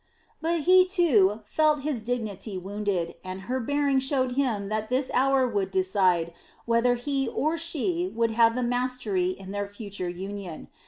But he, too, felt his dignity wounded, and her bearing showed him that this hour would decide whether he or she would have the mastery in their future union.